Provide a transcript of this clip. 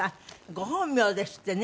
ご本名ですってね。